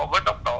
cũng đạt được